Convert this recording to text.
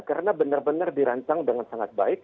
karena benar benar dirancang dengan sangat baik